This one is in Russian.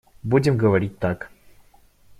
Будем говорить так.